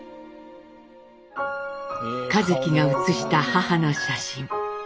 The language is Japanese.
一輝が写した母の写真。